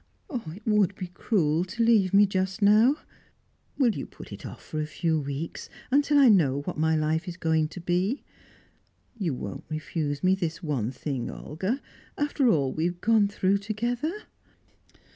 Oh, it would be cruel to leave me just now! Will you put it off for a few weeks, until I know what my life is going to be? You won't refuse me this one thing, Olga, after all we have gone through together?"